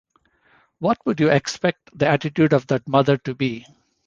What would you expect the attitude of that mother to be?